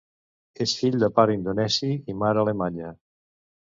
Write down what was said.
És fill de pare indonesi i mare alemanya.